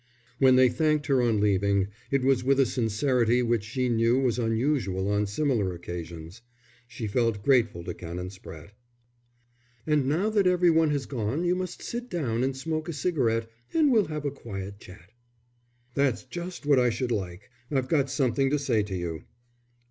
When they thanked her on leaving, it was with a sincerity which she knew was unusual on similar occasions. She felt grateful to Canon Spratte. "And now that every one has gone you must sit down and smoke a cigarette, and we'll have a quiet chat." "That's just what I should like. I've got something to say to you."